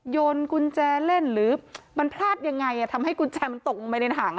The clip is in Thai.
โยนกุญแจเล่นหรือมันพลาดยังไงทำให้กุญแจมันตกลงไปในถัง